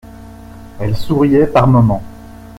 Elle souriait par moments.